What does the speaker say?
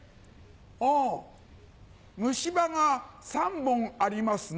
あぁ虫歯が３本ありますね。